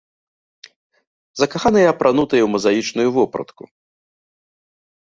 Закаханыя апранутыя ў мазаічную вопратку.